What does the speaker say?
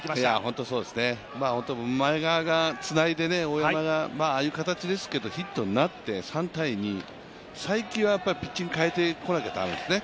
本当にそうですね、前川がつないで、大山がああいう形ですけどヒットになって３−２、才木はピッチング変えてこなきゃ駄目ですね。